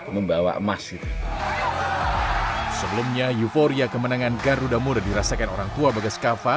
membawa emas sebelumnya euforia kemenangan garuda muda dirasakan orangtua bagas kava